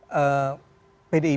dan saya mau menanyakan